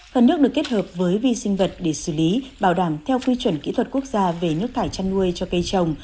phần nước được kết hợp với vi sinh vật để xử lý bảo đảm theo quy chuẩn kỹ thuật quốc gia về nước thải chăn nuôi cho cây trồng